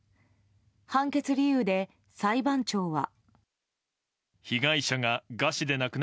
判決理由で裁判長は。